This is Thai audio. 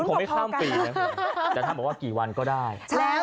ผมไม่ข้ามปีนะฮะแต่ถ้าบอกว่ากี่วันก็ได้